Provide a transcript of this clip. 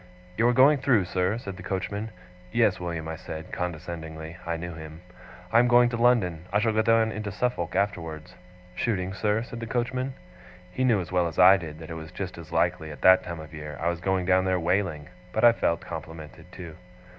'You are going through, sir?' said the coachman. 'Yes, William,' I said, condescendingly (I knew him); 'I am going to London. I shall go down into Suffolk afterwards.' 'Shooting, sir?' said the coachman. He knew as well as I did that it was just as likely, at that time of year, I was going down there whaling; but I felt complimented, too.